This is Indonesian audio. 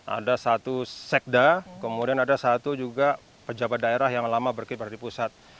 ada satu sekda kemudian ada satu juga pejabat daerah yang lama berkibar di pusat